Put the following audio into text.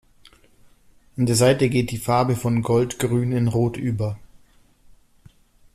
An der Seite geht die Farbe von goldgrün in rot über.